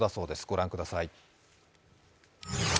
御覧ください。